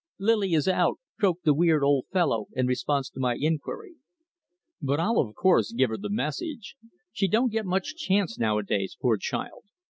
"Lily is out," croaked the weird old fellow, in response to my inquiry, "but I'll, of course, give her the message. She don't get much chance nowadays, poor child!